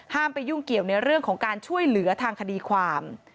ไปยุ่งเกี่ยวในเรื่องของการช่วยเหลือทางคดีความ